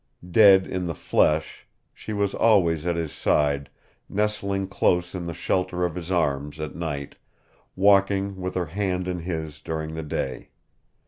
Dead in the flesh, she was always at his side, nestling close in the shelter of his arms at night, walking with her hand in his during the day.